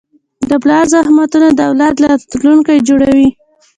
د پلار زحمتونه د اولاد راتلونکی جوړوي.